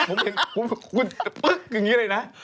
ผมเห็นคุณแต่ปึ๊กอย่างนี้เลยนะ